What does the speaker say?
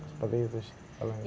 seperti itu sih